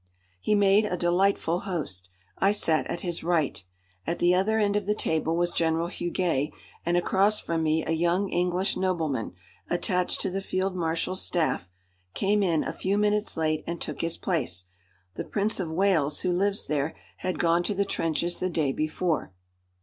He made a delightful host. I sat at his right. At the other end of the table was General Huguet, and across from me a young English nobleman, attached to the field marshal's staff, came in, a few minutes late, and took his place. The Prince of Wales, who lives there, had gone to the trenches the day before.